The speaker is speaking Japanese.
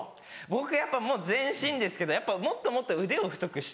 僕やっぱもう全身ですけどもっともっと腕を太くしたいです。